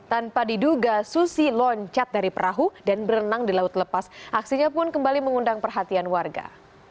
tanpa diduga susi loncat dari perahu dan berenang di laut lepas aksinya pun kembali mengundang perhatian warga